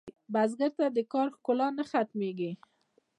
بزګر ته د کار ښکلا نه ختمېږي